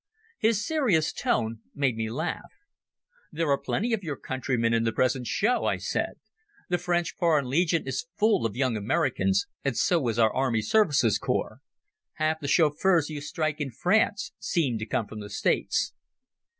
His serious tone made me laugh. "There are plenty of your countrymen in the present show," I said. "The French Foreign Legion is full of young Americans, and so is our Army Service Corps. Half the chauffeurs you strike in France seem to come from the States."